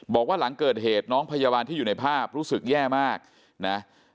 บอกว่าหลังเกิดเหตุน้องพยาบาลที่อยู่ในภาพรู้สึกแย่มากนะ